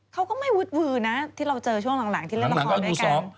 เขาก็ไม่วุดวือนะที่เราเจอช่วงหลังที่เล่นละครด้วยกัน